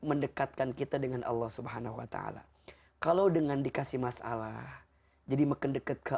mendekatkan kita dengan allah subhanahu wa ta'ala kalau dengan dikasih masalah jadi meken deket ke